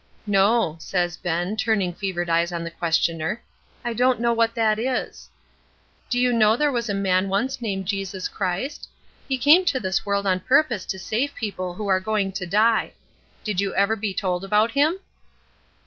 'No,' says Ben, turning fevered eyes on the questioner: 'I don't know what that is.' 'Did you know there was a man once named Jesus Christ? He come to this world on purpose to save people who are going to die. Did you ever be told about him?'